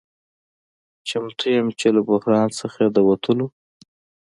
چمتو یم چې له بحران نه د وتلو